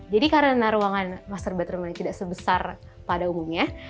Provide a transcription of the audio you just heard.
jadi karena ruangan master bedroomnya tidak sebesar pada umumnya